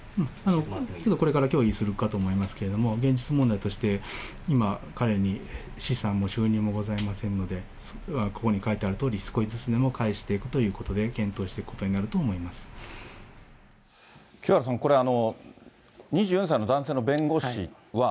これから協議するかと思いますけれども、現実問題として、今、彼に資産も収入もございませんので、ここに書いてあるとおり、少しずつでも返していくということで、検討していくことになると清原さん、これ２４歳の男性の弁護士は、